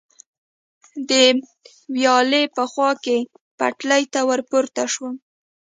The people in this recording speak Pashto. د ویالې په خوا کې پټلۍ ته ور پورته شو.